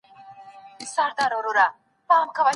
ايا تجارت د ښځو لپاره روا دی؟